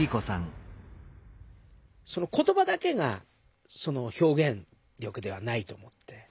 言ばだけが表現力ではないと思って。